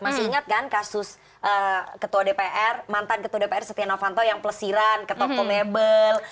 masih ingat kan kasus ketua dpr mantan ketua dpr setia novanto yang pelesiran ke toko mebel